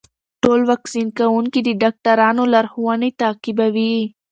ټول واکسین کوونکي د ډاکټرانو لارښوونې تعقیبوي.